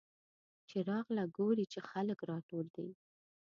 چې راغله ګوري چې خلک راټول دي.